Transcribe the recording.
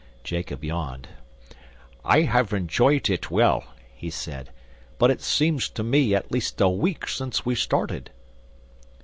Jacob yawned. "I have enjoyed it well," he said, "but it seems to me at least a week since we started."